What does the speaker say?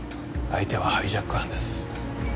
相手はハイジャック犯です。